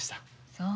そう。